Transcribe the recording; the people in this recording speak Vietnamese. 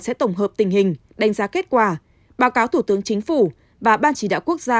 sẽ tổng hợp tình hình đánh giá kết quả báo cáo thủ tướng chính phủ và ban chỉ đạo quốc gia